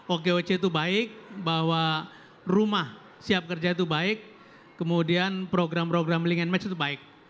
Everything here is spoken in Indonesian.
okoc itu baik bahwa rumah siap kerja itu baik kemudian program program link and match itu baik